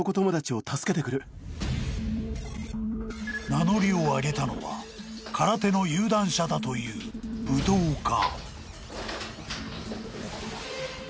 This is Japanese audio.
［名乗りを上げたのは空手の有段者だという武道家］